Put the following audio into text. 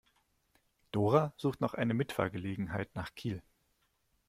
Dora sucht noch eine Mitfahrgelegenheit nach Kiel.